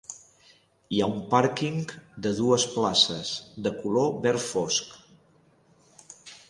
Hi ha un pàrquing de dues places, de color verd fosc.